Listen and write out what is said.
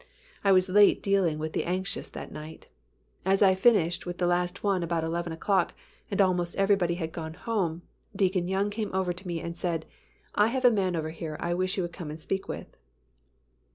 I was late dealing with the anxious that night. As I finished with the last one about eleven o'clock, and almost everybody had gone home, Deacon Young came over to me and said, "I have a man over here I wish you would come and speak with."